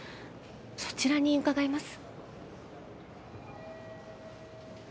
そちらに伺います。